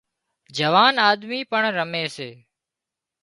جوان آۮمِي پڻ رمي سي